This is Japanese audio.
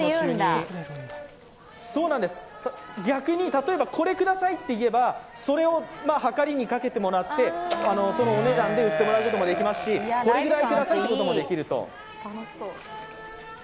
逆に、例えばこれくださいといえばそれをはかりにかけてもらってそのお値段で売ってもらうこともできますしこれぐらいくださいということもできると。